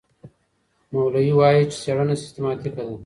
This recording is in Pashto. مولي وايي چي څېړنه سیستماتیکه ده.